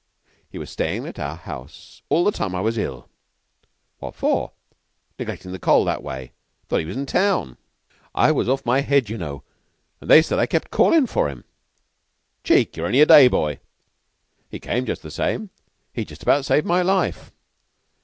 "He was stayin' at our house all the time I was ill." "What for? Neglectin' the Coll. that way? 'Thought he was in town." "I was off my head, you know, and they said I kept on callin' for him." "Cheek! You're only a day boy." "He came just the same, and he about saved my life.